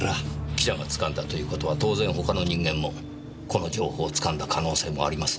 記者がつかんだという事は当然他の人間もこの情報をつかんだ可能性もありますねぇ。